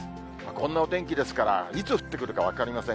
こんなお天気ですから、いつ降ってくるか分かりません。